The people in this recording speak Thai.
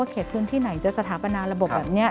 เขตพื้นที่ไหนจะสถาปนาระบบแบบนี้